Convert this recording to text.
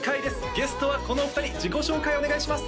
ゲストはこの２人自己紹介をお願いします